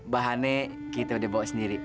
bahannya kita udah bawa sendiri